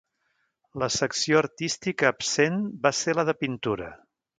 La secció artística absent va ser la de pintura.